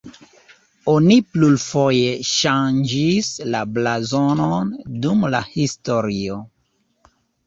Oni plurfoje ŝanĝis la blazonon dum la historio.